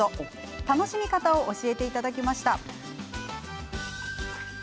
楽しみ方を教えてもらいました。